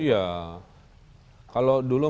iya kalau dulu